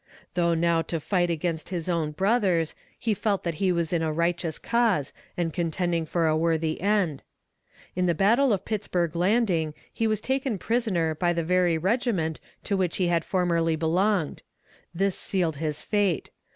Though now to fight against his own brothers, he felt that he was in a righteous cause, and contending for a worthy end. In the battle of Pittsburg Landing he was taken prisoner by the very regiment to which he had formerly belonged. This sealed his fate.